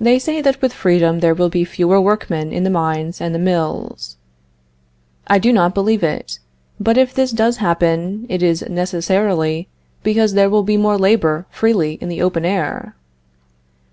They say that with freedom there will be fewer workmen in the mines and the mills. I do not believe it. But if this does happen, it is necessarily because there will be more labor freely in the open air.